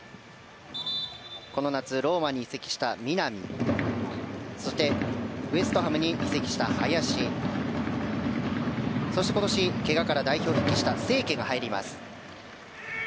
この夏、ローマに移籍した南そしてウエストハムに移籍した林と今年、けがから代表復帰した清家が入ります。